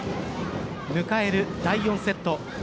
迎える第４セット。